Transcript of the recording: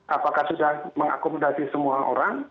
apakah sudah mengakomodasi semua orang